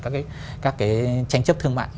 các cái tranh chấp thương mại